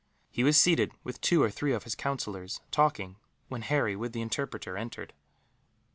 He was seated with two or three of his councillors, talking, when Harry, with the interpreter, entered.